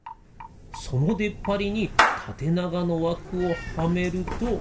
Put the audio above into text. そのでっぱりにたてながのわくをはめると。